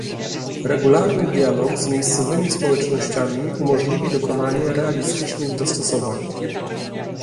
Regularny dialog z miejscowymi społecznościami umożliwi dokonanie realistycznych dostosowań